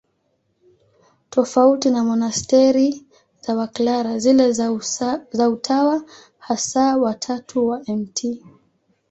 Tofauti na monasteri za Waklara, zile za Utawa Hasa wa Tatu wa Mt.